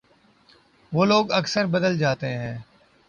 وہ لوگ اکثر بدل جاتے ہیں